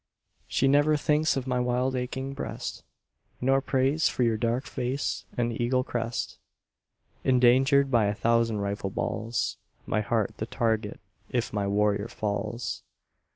She never thinks of my wild aching breast, Nor prays for your dark face and eagle crest Endangered by a thousand rifle balls, My heart the target if my warrior falls.